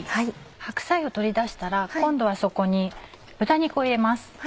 白菜を取り出したら今度はそこに豚肉を入れます。